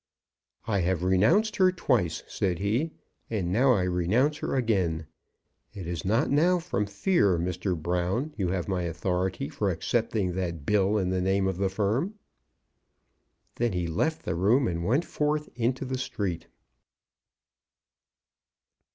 "I have renounced her twice," said he, "and now I renounce her again. It is not now from fear. Mr. Brown, you have my authority for accepting that bill in the name of the Firm." Then he left the room and went forth into the street.